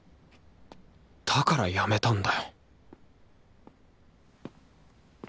だからやめたんだよ